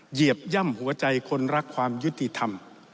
เหยียบย่ำหัวใจคนรักความยุติธรรม